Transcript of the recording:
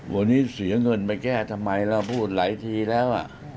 วันนี้เสียเงินไปแก้ทำไมเราพูดหลายทีแล้ว